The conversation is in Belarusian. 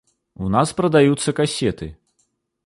У нас прадаюцца касеты.